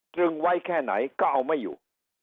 ตรึงไว้แค่ไหนก็เอาไม่อยู่